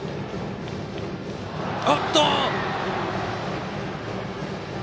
おっと。